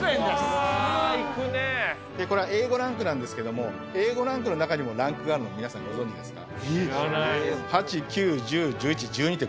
これ、Ａ５ランクなんですけれども、Ａ５ランクの中にもランクがあるの、皆さんご存知ですか。